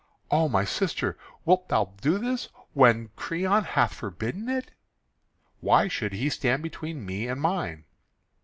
"O my sister, wilt thou do this when Creon hath forbidden it?" "Why should he stand between me and mine?"